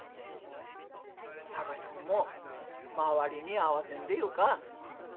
貴司君も周りに合わせんでよか。